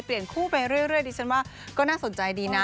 เปลี่ยนคู่ไปเรื่อยดีฉันว่าก็น่าสนใจดีนะ